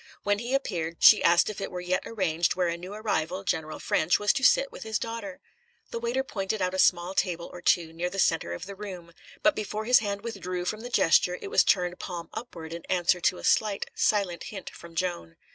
When he appeared, she asked if it were yet arranged where a new arrival, General Ffrench, was to sit with his daughter. The waiter pointed out a small table or two, near the centre of the room; but before his hand withdrew from the gesture, it was turned palm upward in answer to a slight, silent hint from Joan.